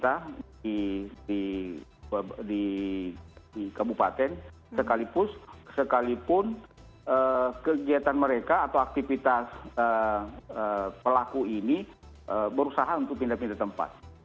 kita di kabupaten sekalipun kegiatan mereka atau aktivitas pelaku ini berusaha untuk pindah pindah tempat